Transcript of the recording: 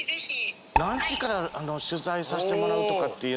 何時から取材させてもらうとかって。